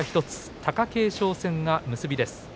１つ貴景勝戦が結びです。